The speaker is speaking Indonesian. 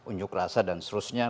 unjuk rasa dan seterusnya